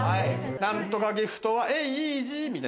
何とかギフトはＡＥＧみたいな？